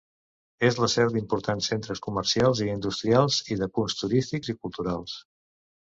És la seu d'importants centres comercials i industrials, i de punts turístics i culturals.